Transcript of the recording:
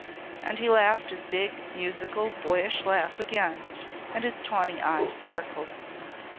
And he laughed his big, musical, boyish laugh again and his tawny eye sparkled.